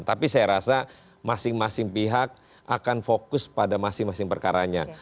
tapi saya rasa masing masing pihak akan fokus pada masing masing perkaranya